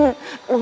maaf ya pak salah